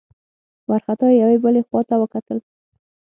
وارخطا يې يوې بلې خواته وکتل.